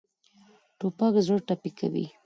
توپک زړه ټپي کوي.